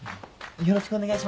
よろしくお願いします。